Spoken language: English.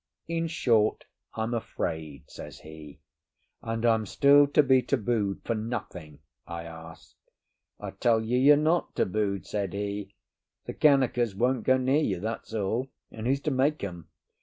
"In short, I'm afraid," says he. "And I'm still to be tabooed for nothing?" I asked "I tell you you're not tabooed," said he. "The Kanakas won't go near you, that's all. And who's to make 'em?